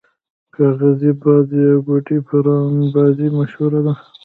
کاغذی باد یا ګوډی پران بازی مشهوره ده.